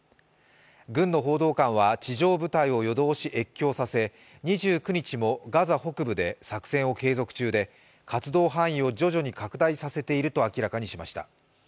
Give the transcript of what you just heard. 軍の報道官は地上部隊を夜通し越境させ２９日も国境付近で作戦を継続中で、活動範囲を徐々に拡大させていると明らかにしました。